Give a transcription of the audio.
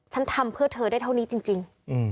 ทำเพื่อเธอได้เท่านี้จริง